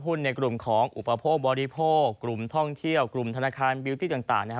ในกลุ่มของอุปโภคบริโภคกลุ่มท่องเที่ยวกลุ่มธนาคารบิวตี้ต่างนะฮะ